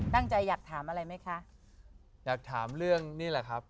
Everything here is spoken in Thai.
อยากถามอะไรไหมคะอยากถามเรื่องนี่แหละครับ